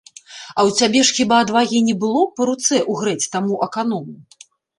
А ў цябе ж хіба адвагі не было па руцэ ўгрэць таму аканому?